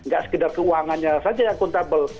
gak sekedar keuangannya saja yang akuntabel